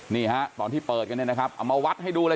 นี่ฮะตอนที่เปิดกันเนี่ยนะครับเอามาวัดให้ดูเลย